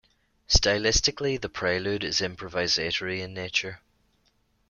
Stylistically, the prelude is improvisatory in nature.